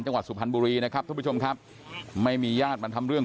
จังหวัดสุพรรณบุรีนะครับทุกผู้ชมครับไม่มีญาติมันทำเรื่อง